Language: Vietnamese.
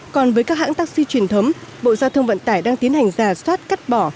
còn với các hãng taxi truyền thống bộ giao thông vận tải đang tiến hành giả soát cắt bỏ